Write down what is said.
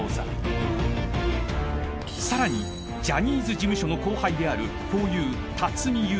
［さらにジャニーズ事務所の後輩であるふぉゆ辰巳雄大］